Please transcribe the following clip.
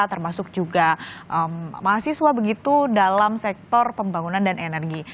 termasuk juga mahasiswa begitu dalam sektor pembangunan dan energi